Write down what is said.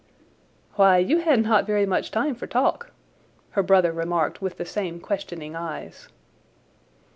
"Why, you had not very much time for talk," her brother remarked with the same questioning eyes.